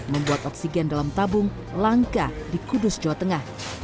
membuat oksigen dalam tabung langka di kudus jawa tengah